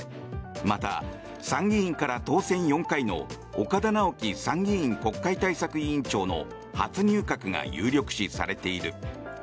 また、参議院から当選４回の岡田直樹参議院国対委員長の初入閣が有力視されている。